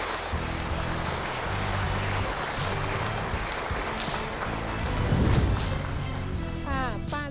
ขอให้คุณพระคุ้มครองและมีแต่สิ่งดีเข้ามาในครอบครัวนะครับ